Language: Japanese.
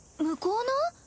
向こうの？